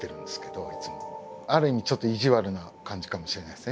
ある意味ちょっと意地悪な感じかもしれないですね